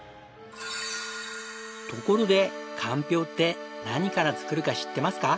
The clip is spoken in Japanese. ところでかんぴょうって何から作るか知ってますか？